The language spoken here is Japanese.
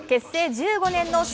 １５年のｓ＊